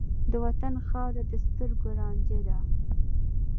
د وطن خاوره د سترګو رانجه ده.